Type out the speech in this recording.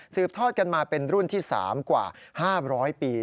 ทอดกันมาเป็นรุ่นที่๓กว่า๕๐๐ปี